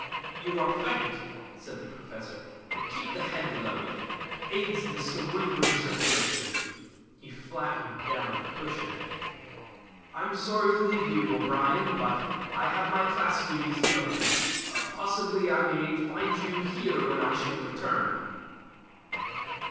"You are faint," said the Professor "keep the head low; it aids the cerebral circulation." He flattened down the cushion. "I am sorry to leave you, O'Brien; but I have my class duties to look to. Possibly I may find you here when I return."